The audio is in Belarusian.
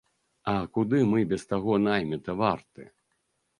А куды мы без таго найміта варты?!